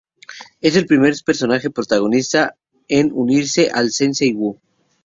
Es el primer personaje protagonista en unirse al sensei Wu.